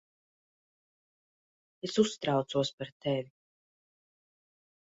Es uztraucos par tevi.